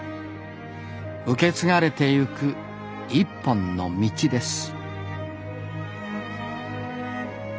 受け継がれてゆく一本の道です